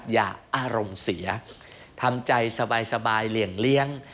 อย่าอารมณ์เสียทำใจสบายเหลี่ยงเลี้ยง